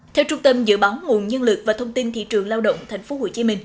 theo trung tâm dự báo nguồn nhân lực và thông tin thị trường lao động tp hcm